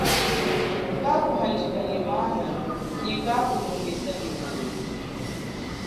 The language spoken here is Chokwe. Kakuhanjika nyi mana nyi kakulongesa nyi utu.